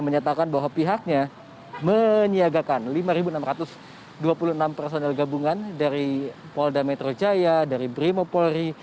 meniagakan lima enam ratus dua puluh enam personel gabungan dari pol da metro jaya dari brimopoli